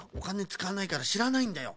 つかわないからしらないんだよ。